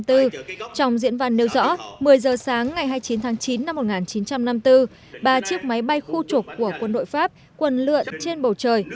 trong diễn văn nêu rõ một mươi giờ sáng ngày hai mươi chín tháng chín năm một nghìn chín trăm năm mươi bốn ba chiếc máy bay khu trục của quân đội pháp quần lượn trên bầu trời